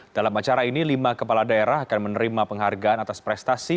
dalam acara ini lima kepala daerah akan menerima penghargaan atas prestasi